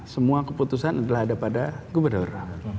semua keputusan adalah daripada gubernur